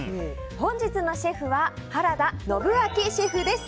本日のシェフは原田延彰シェフです。